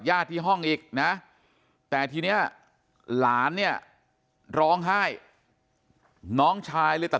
ที่ห้องอีกนะแต่ทีนี้หลานเนี่ยร้องไห้น้องชายเลยตัด